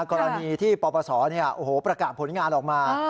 กรณีที่ปศเนี่ยโอ้โหประกาศผลงานออกมา